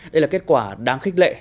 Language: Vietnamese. đây là kết quả đáng khích lệ